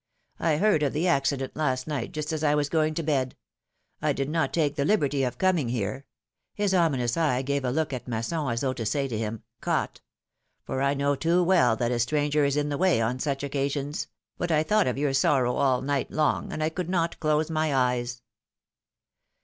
I heard of the accident last night just as I was going to bed; I did not take the liberty of coming here — his ominous eye gave a look at Masson, as though to say to him, Caught !''— for I know too PHILOMiiNE's MARRIAGES. 161 well that a stranger is in the way on such occasions ; but I thought of your sorrow all night long, and I could not close my eyes.